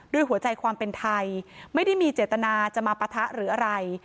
หัวใจความเป็นไทยไม่ได้มีเจตนาจะมาปะทะหรืออะไร